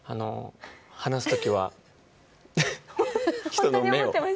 話す時は、人の目を。